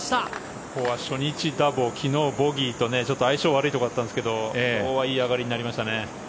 ここは初日ダボ昨日はボギーでちょっと相性悪いところだったんですけど今日はいい上がりになりましたね。